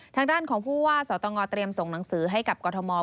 ทางด้านของผู้ว่าสตพิทักษ์เตรียมส่งหนังสือให้กับกฏมอท์